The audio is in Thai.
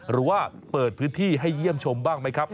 หรือว่าเปิดพื้นที่ให้เยี่ยมชมบ้างไหมครับ